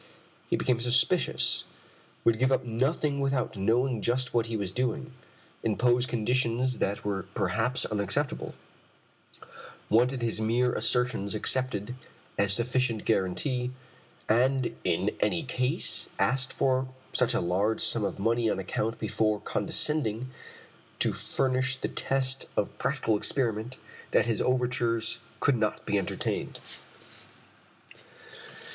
He became suspicious, would give up nothing without knowing just what he was doing, impose conditions that were perhaps unacceptable, wanted his mere assertions accepted as sufficient guarantee, and in any case asked for such a large sum of money on account before condescending to furnish the test of practical experiment that his overtures could not be entertained.